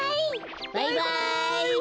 バイバイ！